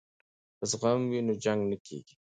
که زغم وي نو جنګ نه کیږي.